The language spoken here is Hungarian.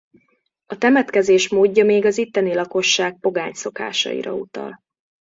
A temetkezés módja még az itteni lakosság pogány szokásaira utal.